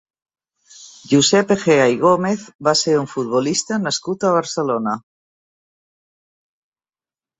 Josep Egea i Gómez va ser un futbolista nascut a Barcelona.